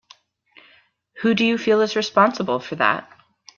Who do you feel is responsible for that?